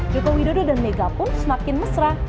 joko widodo dan mega pun semakin mesra